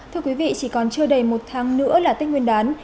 thưa quý vị chỉ còn chưa đầy một tháng nữa là tết nguyên đán